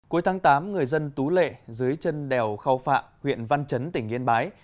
cuối tháng tám người dân tú lệ dưới chân đèo khao phạ huyện văn chấn tỉnh yên bái